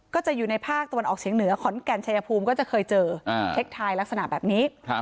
ก็จะอยู่ในภาคออกเฉียงเหนือขอนเกรนเฉยภูมิขอนกัญชัยภูมิเจอเห็นเทคไทยลักษณะแบบนี้